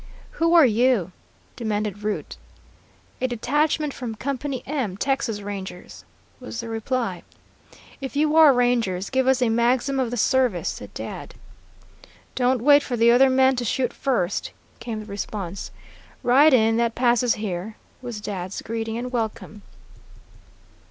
"Who are you?" demanded Root. "A detachment from Company M, Texas Rangers," was the reply. "If you are Rangers, give us a maxim of the service," said Dad. "Don't wait for the other man to shoot first," came the response. "Ride in, that passes here," was Dad's greeting and welcome.